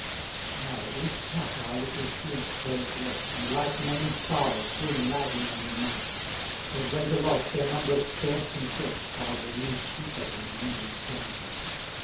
85 Now at each tack our little fleet grows less; And like maim'd fowl, swim lagging on the main: Their greater loss their numbers scarce confess, While they lose cheaper than the English gain.